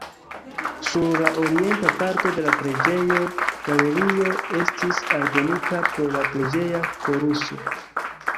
Sur la orienta parto de la preĝejo, galerio estis aldonita por la preĝeja koruso.